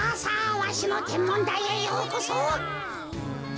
わしのてんもんだいへようこそ。